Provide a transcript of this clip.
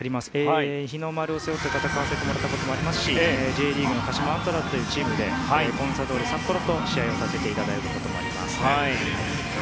日の丸を背負って戦わせてもらったこともありますしＪリーグの鹿島アントラーズというチームでコンサドーレ札幌と試合をさせていただいたこともあります。